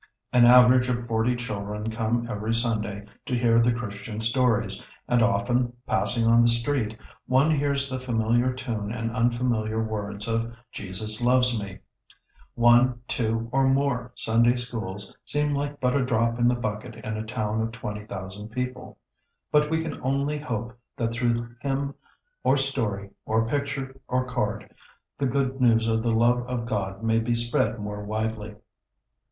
An average of forty children come every Sunday to hear the Christian stories, and often, passing on the street, one hears the familiar tune and unfamiliar words of "Jesus loves me." One, two, or more Sunday Schools seem like but a drop in the bucket in a town of twenty thousand people, but we can only hope that through hymn, or story, or picture, or card, the good news of the love of God may be spread more widely.